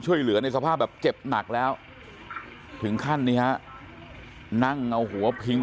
ช่วยเหลือในสภาพแบบเจ็บหนักแล้วถึงขั้นนี้นั่งเอาหัวพิง